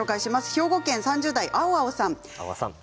兵庫県３０代の方です。